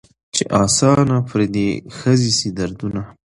چي آسانه پر دې ښځي سي دردونه